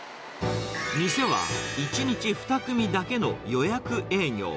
店は１日２組だけの予約営業。